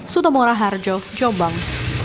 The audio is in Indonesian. sutomora harjo jombang